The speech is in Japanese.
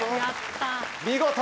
見事！